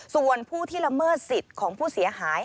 ส่วนผู้ที่ละเมิดสิทธิ์ของผู้เสียหาย